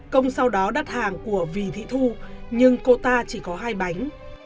công sau đó đặt hàng của vì thị thu nhưng cô ta chỉ có hai bánh